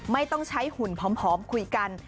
ไม่ต้องใช้หุ่นผอมคุยกัน